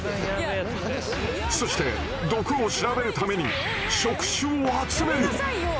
そして毒を調べるために触手を集める。